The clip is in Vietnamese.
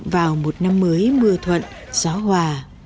vào một năm mới mưa thuận gió hòa